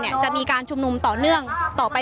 อย่างที่บอกไปว่าเรายังยึดในเรื่องของข้อ